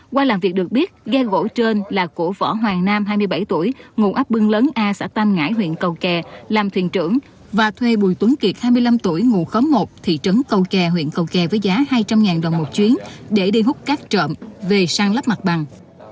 qua làm việc được biết ghe gỗ trên là của võ hoàng nam hai mươi bảy tuổi ngụ ấp bưng lớn a xã tam ngãi huyện cầu kè làm thuyền trưởng và thuê bùi tuấn kiệt hai mươi năm tuổi ngụ khóm một thị trấn cầu kè huyện cầu kè với giá hai trăm linh đồng một chuyến để đi hút cát trộm về sang lắp mặt bằng